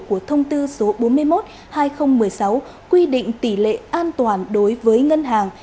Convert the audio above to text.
của thông tư số bốn mươi một hai nghìn một mươi sáu quy định tỷ lệ an toàn đối với ngân hàng